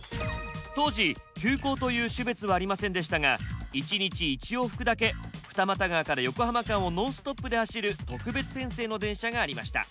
当時急行という種別はありませんでしたが１日１往復だけ二俣川から横浜間をノンストップで走る特別編成の電車がありました。